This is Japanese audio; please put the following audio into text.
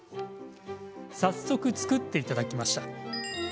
早速、作っていただきました。